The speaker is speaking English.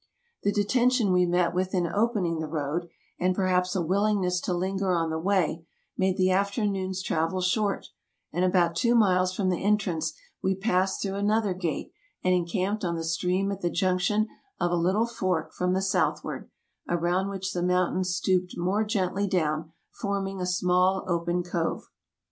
The detention we met with in opening the road, and per haps a willingness to linger on the way, made the afternoon's travel short, and about two miles from the entrance we passed through another gate, and encamped on the stream at the junction of a little fork from the southward, around which the mountains stooped more gently down, forming a small open cove.